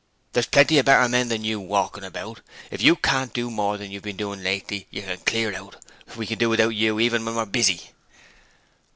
There's plenty of better men than you walking about. If you can't do more than you've been doing lately you can clear out; we can do without you even when we're busy.'